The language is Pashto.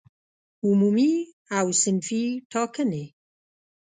عمومي او صنفي ټاکنې